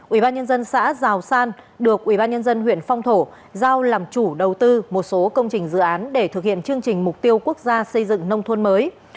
ủy ban nhân dân xã giào san được ủy ban nhân dân huyện phong thổ giao làm chủ đầu tư một số công trình dự án để thực hiện chương trình mục tiêu quốc gia xây dựng nông thuân mới